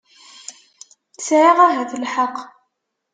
sɛiɣ ahat lḥeqq.